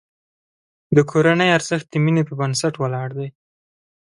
د کورنۍ ارزښت د مینې په بنسټ ولاړ دی.